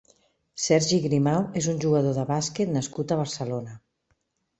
Sergi Grimau és un jugador de bàsquet nascut a Barcelona.